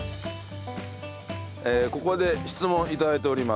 ええここで質問頂いております。